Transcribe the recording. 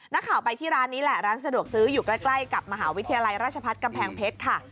นักข่าวไปที่ร้านนี้แหละร้านสะดวกซื้ออยู่ใกล้กับมหาวิทยาลัยราชพัฒน์กำแพงเพชรค่ะ